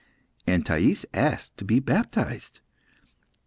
And Thais asked to be baptised.